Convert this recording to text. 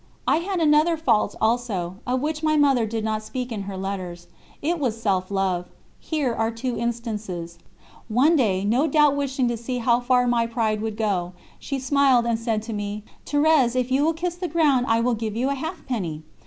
I had another fault also, of which my Mother did not speak in her letters: it was self love. Here are two instances: One day, no doubt wishing to see how far my pride would go, she smiled and said to me, "Thérèse, if you will kiss the ground I will give you a halfpenny."